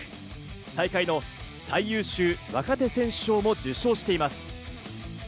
大会の最優秀若手選手賞を受賞しています。